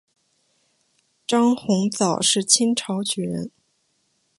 张鸿藻是清朝举人。